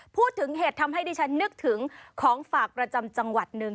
พูดถึงเหตุทำให้ดิฉันนึกถึงของฝากประจำจังหวัดหนึ่ง